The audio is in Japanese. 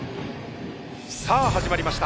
さあ始まりました。